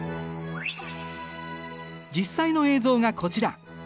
実際の映像がこちら。